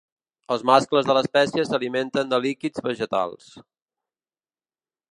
Els mascles de l’espècie s’alimenten de líquids vegetals.